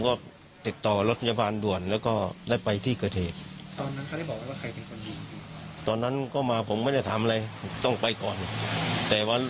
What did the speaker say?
เขามันบอกว่ามีคนถูกยิงอยู่ที่หน้าบ้านแล้วก็ช่วยตามรถพยาบาลให้หน่อยเท้ะตอนนั้นสัก๒๕นที่มีอาทาพลก็เพิ่มกลัวไปฟังผ่านของชั้น